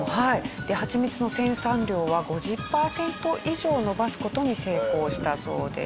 ではちみつの生産量は５０パーセント以上伸ばす事に成功したそうです。